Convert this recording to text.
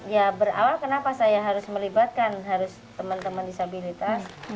ya berawal kenapa saya harus melibatkan teman teman disabilitas